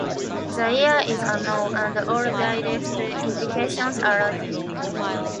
The year is unknown, and all direct indications are lacking.